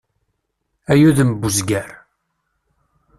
Ay udem n uzger!